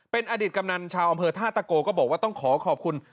เป็นอดีตกำนันชาวอำเภอท่าตะโกก็บอกว่าต้องขอขอบคุณ